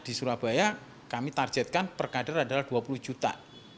di surabaya kami targetkan per kader adalah dua puluh juta